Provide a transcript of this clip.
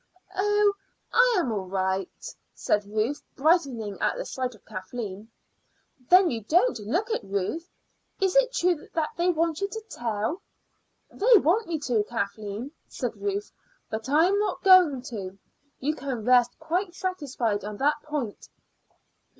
"Oh, I am all right," said Ruth, brightening at the sight of Kathleen. "Then you don't look it. Ruth, is it true that they want you to tell?" "They want me to, Kathleen," said Ruth; "but I am not going to. You can rest quite satisfied on that point."